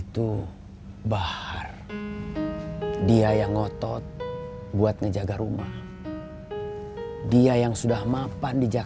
jadi besi tua katanya